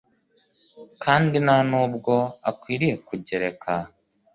kandi nta n'ubwo akwiriye kugereka